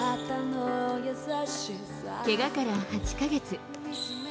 けがから８か月。